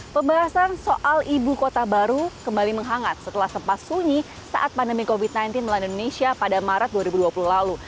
pembahasan soal ibu kota baru kembali menghangat setelah sempat sunyi saat pandemi covid sembilan belas melanda indonesia pada maret dua ribu dua puluh lalu